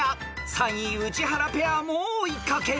［３位宇治原ペアも追い掛ける］